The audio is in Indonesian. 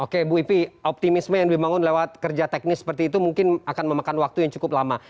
oke bu ipi optimisme yang dibangun lewat kerja teknis seperti itu mungkin akan memakan waktu yang cukup lama